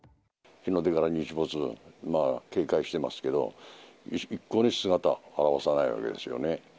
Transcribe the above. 日の出から日没、警戒してますけど、一向に姿、現さないわけですよね。